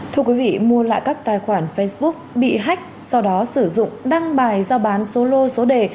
thưa quý vị mua lại các tài khoản facebook bị hách sau đó sử dụng đăng bài giao bán số lô số đề